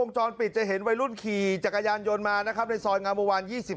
จรปิดจะเห็นวัยรุ่นขี่จักรยานยนต์มานะครับในซอยงามวงวาน๒๑